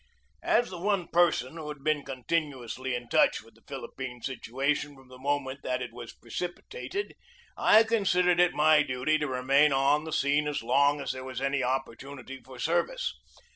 As the one person who had been continuously in touch with the Philippine situation from the moment that it was precipitated, I considered it my duty to remain on the scene as long as there was any oppor tunity for service.